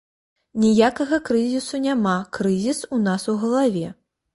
Ніякага крызісу няма, крызіс у нас у галаве!